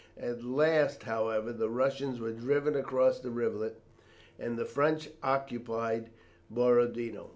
At last, however, the Russians were driven across the rivulet, and the French occupied Borodino.